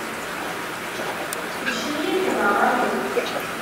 Ǧǧet-iyi nekk d ṛṛay-iw.